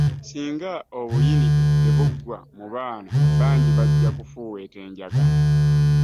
Singa obuyinike tebuggwe mu baana bangi bajja okufuuweta enjaga.